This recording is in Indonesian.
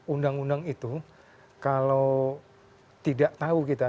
undang undang itu kalau tidak tahu kita